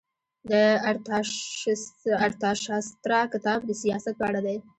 د ارتاشاسترا کتاب د سیاست په اړه دی.